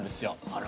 あら？